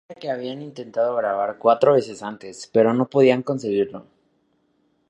Se refiere a que habían intentado grabar cuatro veces antes, pero no podían conseguirlo.